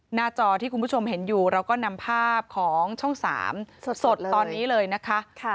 จอที่คุณผู้ชมเห็นอยู่เราก็นำภาพของช่อง๓สดตอนนี้เลยนะคะ